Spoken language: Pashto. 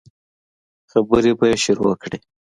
خبرې به يې شروع کړې.